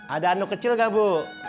ada anu kecil gak bu